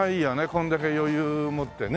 これだけ余裕もってね。